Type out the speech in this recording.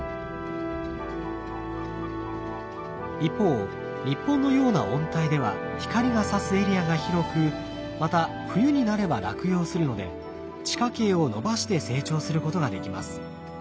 一方日本のような温帯では光がさすエリアが広くまた冬になれば落葉するので地下茎を伸ばして成長することができます。